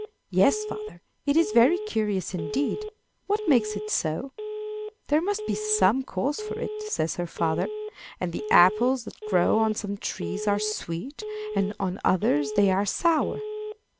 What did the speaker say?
"Yes, father, it is very curious indeed. What makes it so?" "There must be some cause for it" says her father. "And the apples that grow on some trees are sweet, and on others they are sour.